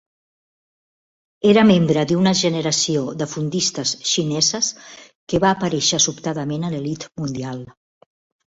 Era membre d'una generació de fondistes xineses que va aparèixer sobtadament a l'elit mundial.